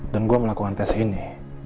gue melakukan tes ini